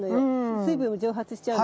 水分蒸発しちゃうの。